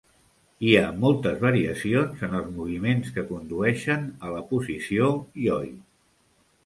Hi ha moltes variacions en els moviments que condueixen a la posició "yoi".